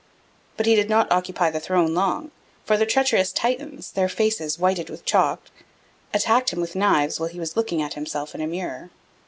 But he did not occupy the throne long; for the treacherous Titans, their faces whitened with chalk, attacked him with knives while he was looking at himself in a mirror.